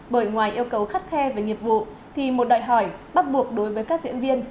bởi ngoài yêu cầu khắt khe về nghiệp vụ thì một đòi hỏi bắt buộc đối với các diễn viên